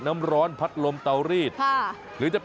มาหมดเลย